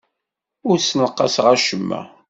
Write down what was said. Ur ssenqaseɣ acemma.